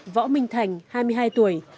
võ minh thành hai mươi hai tuổi